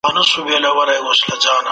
ټاکلې پانګي لازم حاصلات نه وو ورکړي.